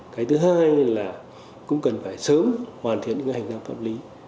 cái thứ hai là cũng cần phải sớm hoàn thiện những hành lang pháp lý